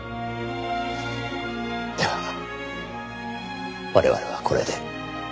では我々はこれで。